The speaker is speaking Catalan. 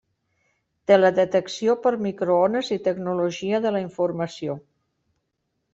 Teledetecció per microones i tecnologia de la informació.